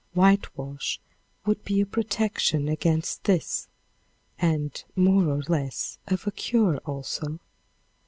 Whitewash would be a protection against this and more or less of a cure also.